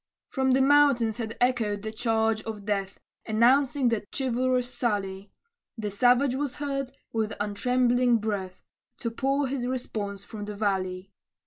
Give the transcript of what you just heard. From the mountains had echoed the charge of death, Announcing that chivalrous sally; The savage was heard, with untrembling breath, To pour his response from the valley.